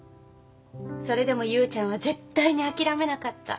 それでもユウちゃんは絶対にあきらめなかった。